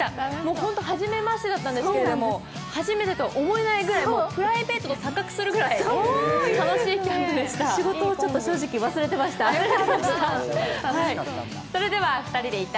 ホント、初めましてだったんですけれども、初めてとは思えないぐらいプライベートと錯覚するぐらい楽しいキャンプでした。